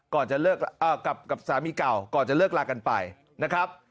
กับสามีเก่าก่อนจะเลิกลากันไปนะครับ